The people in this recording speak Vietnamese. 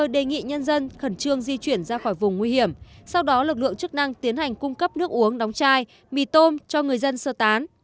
lượng chức năng tiến hành cung cấp nước uống đóng chai mì tôm cho người dân sơ tán